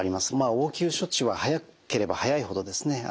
応急処置は早ければ早いほどですね